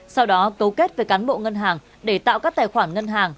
sau đó cấu kết với cán bộ ngân hàng để tạo các tài khoản ngân hàng